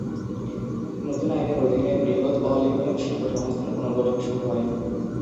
নতুন আইনের অধীনে, বৃহৎ "অল-ইউনিয়ন" শিল্প সংস্থার পুনর্গঠন শুরু হয়।